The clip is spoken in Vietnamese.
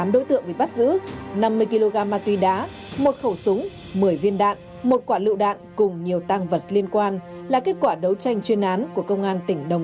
tám đối tượng bị bắt giữ năm mươi kg ma túy đá một khẩu súng một mươi viên đạn một quả lựu đạn cùng nhiều tăng vật liên quan là kết quả đấu tranh chuyên án của công an tỉnh đồng